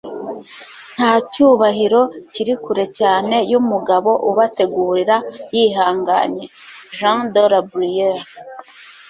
nta cyubahiro kiri kure cyane y'umugabo ubategurira yihanganye. - jean de la bruyere